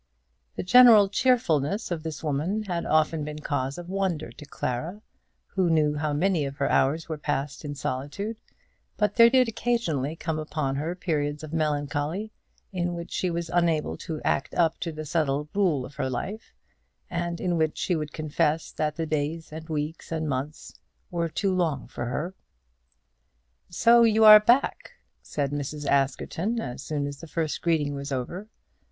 The general cheerfulness of this woman had often been cause of wonder to Clara, who knew how many of her hours were passed in solitude; but there did occasionally come upon her periods of melancholy in which she was unable to act up to the settled rule of her life, and in which she would confess that the days and weeks and months were too long for her. "So you are back," said Mrs. Askerton, as soon as the first greeting was over.